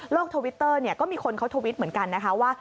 ทวิตเตอร์ก็มีคนเขาทวิตเหมือนกันนะคะว่า